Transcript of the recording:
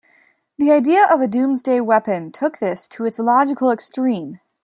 The idea of a Doomsday weapon took this to its logical extreme.